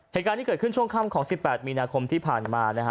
เหตุการณ์ที่เกิดขึ้นช่วงค่ำของ๑๘มีนาคมที่ผ่านมานะฮะ